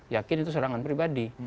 yakin itu serangan pribadi